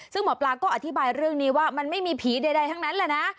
ซึ่งหมอปลาก็อธิบายเรื่องนี้ว่ามันไม่มีผีใดทั้งนั้นแหละนะ